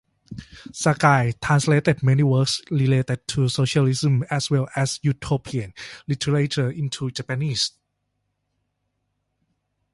Sakai translated many works related to socialism, as well as utopian literature into Japanese.